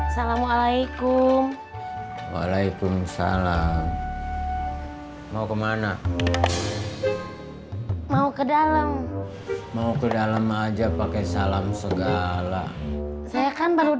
jangan lupa like share dan subscribe